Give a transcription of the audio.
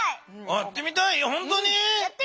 やってみたい！